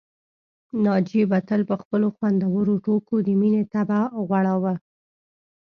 ناجيې به تل په خپلو خوندورو ټوکو د مينې طبع وغوړاوه